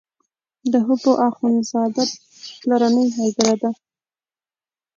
د حبو اخند زاده پلرنۍ هدیره ده.